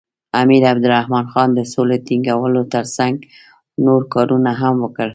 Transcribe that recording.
امیر عبدالرحمن خان د سولې ټینګولو تر څنګ نور کارونه هم وکړل.